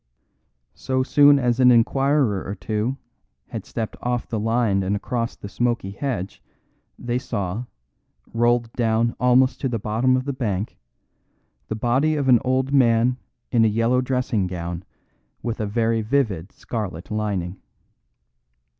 So soon as an inquirer or two had stepped off the line and across the smoky hedge, they saw, rolled down almost to the bottom of the bank, the body of an old man in a yellow dressing gown with a very vivid scarlet lining.